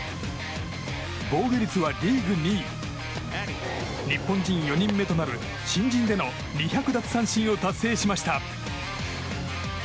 防御率はリーグ２位。日本人４人目となる新人での２００奪三振を達成しました。